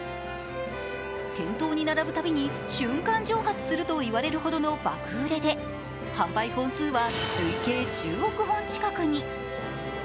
店頭に並ぶたびに瞬間蒸発すると言われるほどの爆売れで、販売本数は累計１０億本近くに。